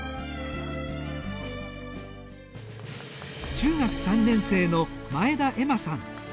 中学３年生の前田恵麻さん。